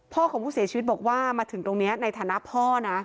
ของผู้เสียชีวิตบอกว่ามาถึงตรงนี้ในฐานะพ่อนะ